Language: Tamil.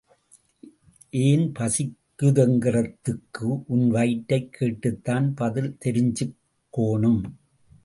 ஏன் பசிக்குதுங்கறதுக்கு உன் வயிற்றைக் கேட்டுத்தான் பதில் தெரிஞ்சுக் கோணும்.